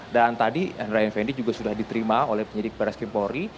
dan tadi henry fnd juga sudah diterima oleh penyidik baris kempori